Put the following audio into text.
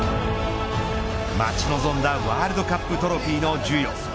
待ち望んだワールドカップトロフィーの授与。